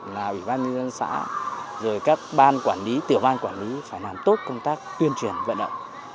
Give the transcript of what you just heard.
là ủy ban nhân dân xã rồi các ban quản lý tiểu ban quản lý phải làm tốt công tác tuyên truyền vận động